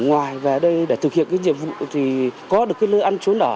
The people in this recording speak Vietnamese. mà về đây để thực hiện cái nhiệm vụ thì có được cái lưu ăn trốn đỏ